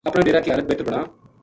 اپنا ڈیرا کی حالت بہتر بناں